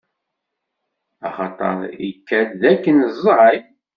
Axaṭaṛ ikad dakken ẓẓay.